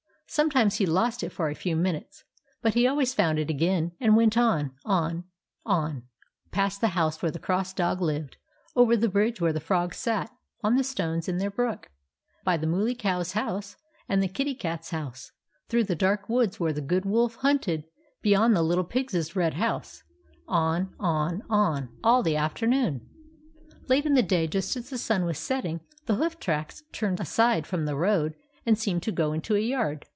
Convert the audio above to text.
Sometimes he lost it for a few minutes, but he always found it again, and went on, on, on, past the house where the Cross Dog lived, over the bridge where the Frogs sat on the stones in their brook, by the Mooly Cow's house, and the Kitty Cat's house, through the dark woods where the Good Wolf hunted, beyond the Little Pig's red house, on, on, on, all the afternoon. Late in the day, just as the sun was set ting, the hoof tracks turned aside from the road and seemed to go into a yard.